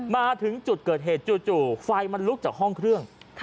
มาถึงจุดเกิดเหตุจู่ไฟมันลุกจากห้องเครื่อง